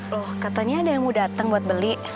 loh katanya ada yang mau datang buat beli